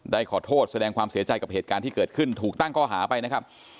ได้ขอโทษแสดงความเสียใจกับเหตุการณ์ที่เกิดขึ้นถูกตั้งข้อหาไปนะครับ